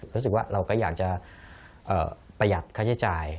รู้สึกว่าเราก็อยากจะประหยัดค่าใช้จ่าย